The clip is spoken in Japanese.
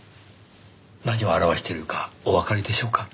何を表しているかおわかりでしょうか？